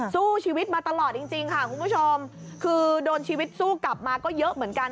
สู้ชีวิตมาตลอดจริงค่ะคุณผู้ชมคือโดนชีวิตสู้กลับมาก็เยอะเหมือนกัน